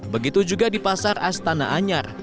begitu juga di pasar astana anyar